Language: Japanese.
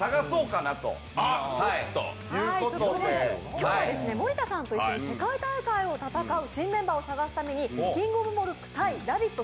今日は森田さんと一緒に世界大会を戦う新メンバーを探すためにキングオブモルック×ラヴィット！